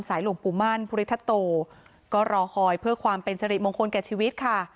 หลวงปู่มั่นภูริทัตโตก็รอคอยเพื่อความเป็นสริมงคลแก่ชีวิตค่ะ